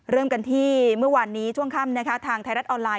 เริ่มกันที่เมื่อวานนี้ช่วงค่ำนะคะทางไทยรัฐออนไลน